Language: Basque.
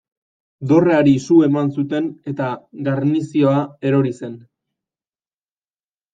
Dorreari su eman zuten eta garnizioa erori zen.